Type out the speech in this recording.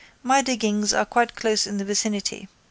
My diggings are quite close in the vicinity.